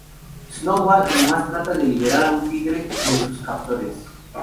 Snowball, además, trata de liberar aun tigre de sus captores.